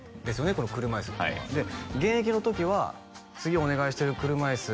この車いすっていうのはで現役の時は「次お願いしてる車いす」